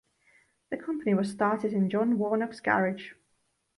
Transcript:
The company was started in John Warnock's garage.